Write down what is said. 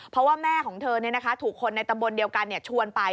เพราะว่าแม่ของเธอถูกคนในตำบลเดียวกันชวนไป